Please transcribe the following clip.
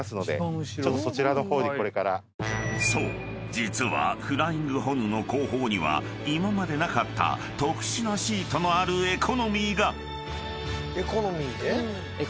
実はフライングホヌの後方には今までなかった特殊なシートのあるエコノミーが］